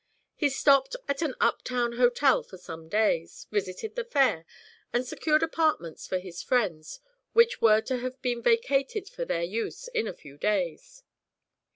He stopped at an up town hotel for some days, visited the Fair, and secured apartments for his friends, which were to have been vacated for their use in a few days.